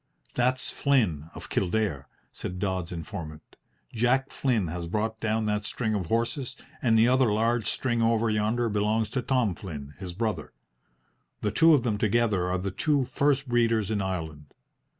"That's Flynn of Kildare," said Dodds's informant. "Jack Flynn has brought down that string of horses, and the other large string over yonder belongs to Tom Flynn, his brother. The two of them together are the two first breeders in Ireland."